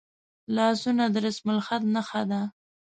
لاسونه د رسمالخط نښه ده